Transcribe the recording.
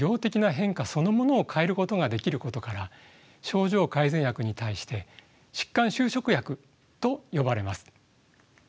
そのものを変えることができることから症状改善薬に対して疾患修飾薬と呼ばれます。